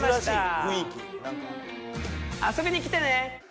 遊びに来てね！